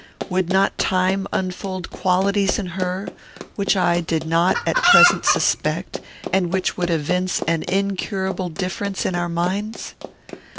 Would not time unfold qualities in her which I did not at present suspect, and which would evince an incurable difference in our minds?